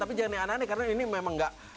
tapi jangan yang aneh aneh karena ini memang